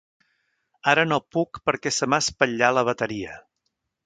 Ara no puc perquè se m'ha espatllat la bateria.